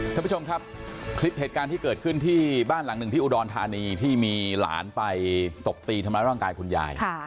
ท่านผู้ชมครับคลิปเหตุการณ์ที่เกิดขึ้นที่บ้านหลังหนึ่งที่อุดรธานีที่มีหลานไปตบตีทำร้ายร่างกายคุณยาย